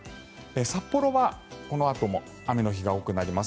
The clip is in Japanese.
札幌はこのあとも雨の日が多くなります。